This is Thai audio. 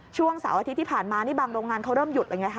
ช่วงเสาร์อาทิตย์ที่ผ่านมาบางโรงงานเขาเริ่มหยุด